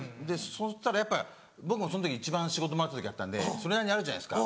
やっぱ僕もその時一番仕事もらってた時だったんでそれなりにあるじゃないですか